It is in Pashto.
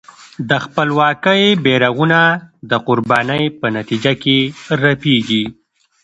د خپلواکۍ بېرغونه د قربانۍ په نتیجه کې رپېږي.